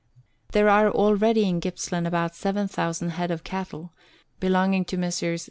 There are already in Gippsland about seven thousand head of cattle, belonging to Messrs.